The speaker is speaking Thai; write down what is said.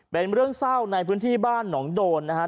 เป็นเรื่องเศร้าในพื้นที่บ้านหนองโดนนะครับ